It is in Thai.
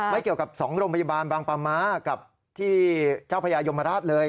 ไม่เกี่ยวกับ๒โรงพยาบาลบางปลาม้ากับที่เจ้าพญายมราชเลย